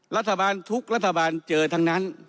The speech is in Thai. รัฐบาลทุกรัฐบาลเจอทั้งนั้น